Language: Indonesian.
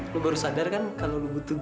lu baru sadar kan kalau lu butuh gua